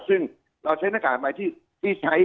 ซึ่งเราใช้หน้ากากไม้ที่ใช้